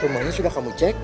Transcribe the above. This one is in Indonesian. rumahnya sudah kamu cek